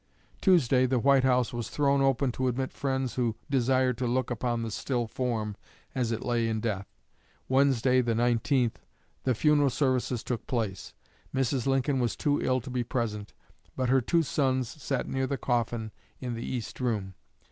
Tuesday the White House was thrown open to admit friends who desired to look upon the still form as it lay in death. Wednesday, the 19th, the funeral services took place. Mrs. Lincoln was too ill to be present; but her two sons sat near the coffin in the East Room.